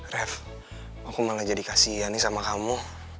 rev aku malah jadi kasihan nih sama kamu